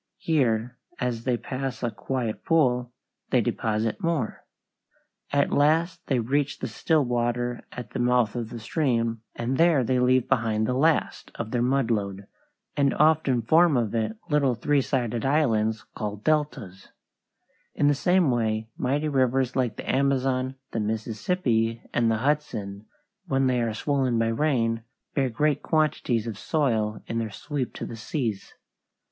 Here, as they pass a quiet pool, they deposit more. At last they reach the still water at the mouth of the stream, and there they leave behind the last of their mud load, and often form of it little three sided islands called deltas. In the same way mighty rivers like the Amazon, the Mississippi, and the Hudson, when they are swollen by rain, bear great quantities of soil in their sweep to the seas.